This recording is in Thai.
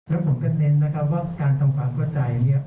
แล้วผมก็เท้นว่าการทำความเข้าใจ